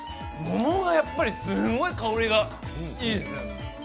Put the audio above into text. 桃がやっぱりすごい香りがいいですね。